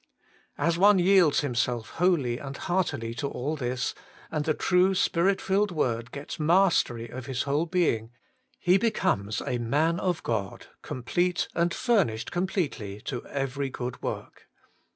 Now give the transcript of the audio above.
io6 Working for God As one yields himself wholly and heartily to all this, and the true Spirit filled word gets mastery of his whole being, he be comes a man of God, complete and fur nished completely to every good work.